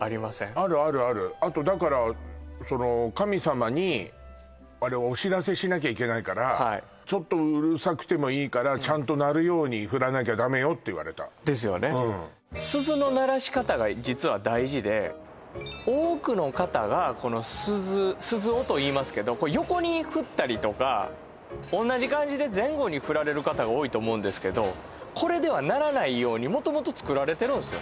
あるあるあるあとだからその神様にあれはお知らせしなきゃいけないからはいちょっとうるさくてもいいからちゃんと鳴るように振らなきゃダメよって言われたですよねうん鈴の鳴らし方が実は大事で多くの方がこの鈴鈴緒といいますけどこれ横に振ったりとか同じ感じで前後に振られる方が多いと思うんですけどこれでは鳴らないように元々作られてるんですよ